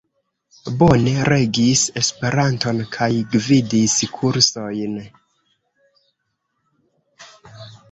Bone regis Esperanton kaj gvidis kursojn.